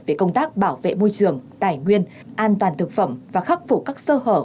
về công tác bảo vệ môi trường tài nguyên an toàn thực phẩm và khắc phục các sơ hở